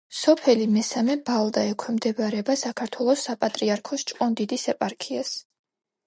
სოფელი მესამე ბალდა ექვემდებარება საქართველოს საპატრიარქოს ჭყონდიდის ეპარქიას.